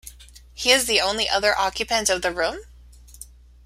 He is the only other occupant of the room?